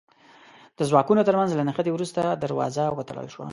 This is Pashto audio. د ځواکونو تر منځ له نښتې وروسته دروازه وتړل شوه.